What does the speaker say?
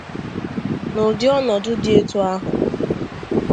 N'ụdị ọnọdụ dị etu ahụ